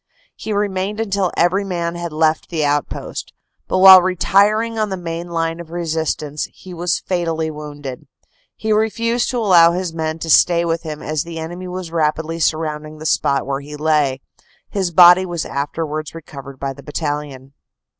He remained until every man had left the outpost, but while retiring on the main line of resistance he was fatally wounded. He refused to allow his men to stay with him as the enemy was rapidly surrounding the spot where he lay. His body was afterwards recovered by the battalion.